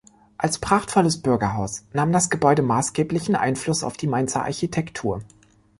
Als prachtvolles Bürgerhaus nahm das Gebäude maßgeblichen Einfluss auf die Mainzer Architektur.